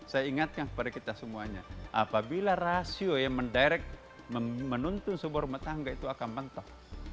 saya ingatkan kepada kita semuanya apabila rasio yang mendirect menuntun sebuah rumah tangga itu akan mentok